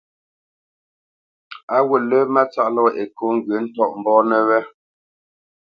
A ghǔt lə́ Mátsáʼ lɔ Ekô ŋgyə̌ ntɔ́ʼmbónə̄ wé.